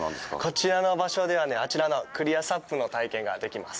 こちらの場所ではね、あちらのクリアサップの体験ができます。